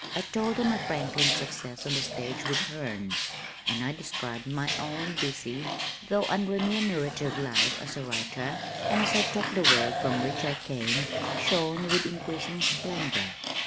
I told them of Franklin's success on the stage with Herne, and I described my own busy, though unremunerative life as a writer, and as I talked the world from which I came shone with increasing splendor.